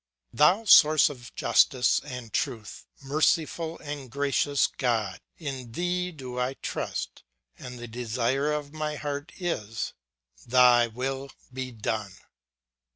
Thou source of justice and truth, merciful and gracious God, in thee do I trust, and the desire of my heart is Thy will be done.